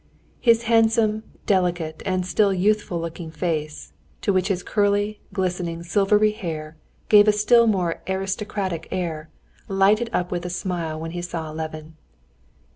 His handsome, delicate, and still youthful looking face, to which his curly, glistening silvery hair gave a still more aristocratic air, lighted up with a smile when he saw Levin.